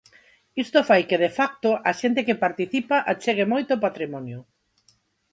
Isto fai que de facto a xente que participa achegue moito patrimonio.